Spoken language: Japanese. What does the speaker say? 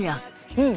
うん！